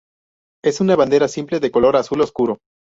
Es una bandera simple, de color azul oscuro.